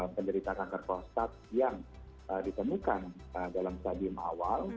penderita kanker prostat yang ditemukan dalam stadium awal